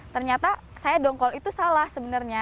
ternyata saya dongkol itu salah sebenarnya